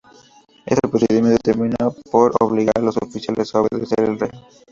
Este procedimiento terminó por obligar a los oficiales a obedecer al rey.